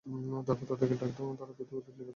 তারপর তাদেরকে ডাক দাও ওরা দ্রুতগতিতে তোমার নিকট আসবে।